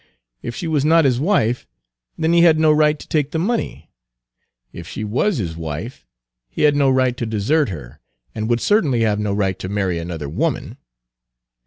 If she was not his wife, then he had no right to take the money; if she was his wife, he had no right to desert her, and would certainly have no right to marry another woman.